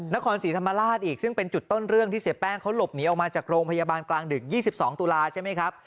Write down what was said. นครศรีธรรมราชอีกซึ่งเป็นจุดต้นเรื่องที่เสียแป้งเขาหลบหนีออกมาจากโรงพยาบาลกลางดึก๒๒ตุลาใช่ไหมครับ